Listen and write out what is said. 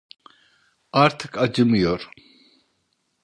Artık acımıyor.